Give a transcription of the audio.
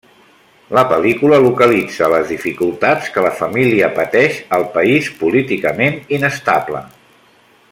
La pel·lícula localitza les dificultats que la família pateix al país políticament inestable.